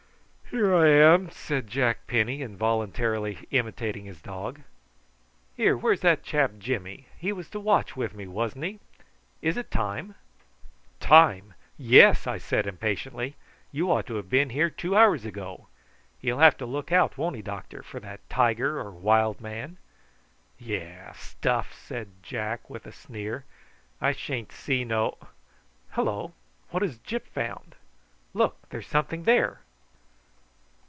"Here I am," said Jack Penny, involuntarily imitating his dog. "Here, where's that chap Jimmy? He was to watch with me, wasn't he? Is it time?" "Time! Yes," I said impatiently. "You ought to have been here two hours ago. He'll have to look out, won't he, doctor, for that tiger or wild man." "Yah! stuff!" said Jack with a sneer. "I sha'n't see no hullo! what has Gyp found? Look, there's something there."